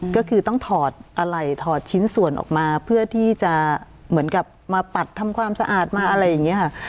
ก็คือต้องถอดอะไรถอดชิ้นส่วนออกมาเพื่อที่จะเหมือนกับมาปัดทำความสะอาดมาอะไรอย่างนี้ค่ะ